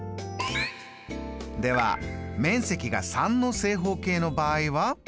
では面積が３の正方形の場合は？